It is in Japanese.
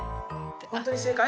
本当に正解？